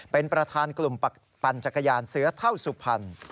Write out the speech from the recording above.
เป็นประธานกลุ่มปั่นจักรยานเสือเท่าสุพรรณ